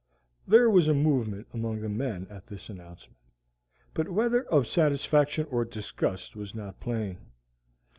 There was a movement among the men at this announcement, but whether of satisfaction or disgust was not plain.